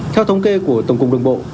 theo thống kê của tổng cục đường bộ